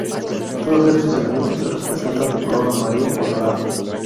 Todos estos elementos se representan de color amarillo o dorado.